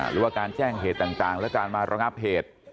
หรือว่าการแจ้งเหตุต่างและการมาระงับเหตุ